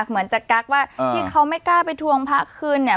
เหมือนจะกักว่าที่เขาไม่กล้าไปทวงพระคืนเนี่ย